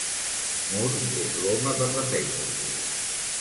Moore és l'home per la feina.